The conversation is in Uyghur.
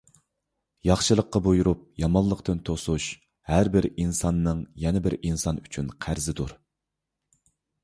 ياخشىلىققا بۇيرۇپ يامانلىقتىن توسۇش — ھەربىر ئىنساننىڭ يەنە بىر ئىنسان ئۈچۈن قەرزىدۇر.